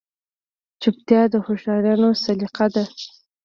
چوپتیا، د هوښیارانو سلیقه ده.